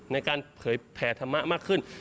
ในการเผยแผ่ธรรมะมากขึ้น